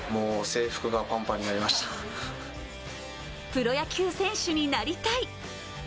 プロ野球選手になりたい。